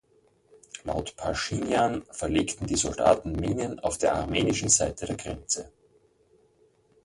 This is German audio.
Laut Paschinjan verlegten die Soldaten Minen auf der armenischen Seite der Grenze.